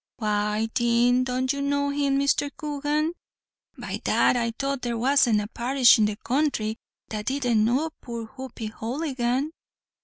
"Why, thin, don't you know him, Mr. Coogan? by dad I thought there wasn't a parish in the country that didn't know poor Hoppy Houligan."